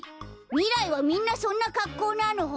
みらいはみんなそんなかっこうなの？